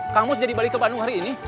kamu jadi balik ke bandung hari ini